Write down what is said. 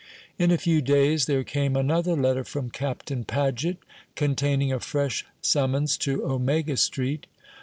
In a few days there came another letter from Captain Paget, containing a fresh summons to Omega Street.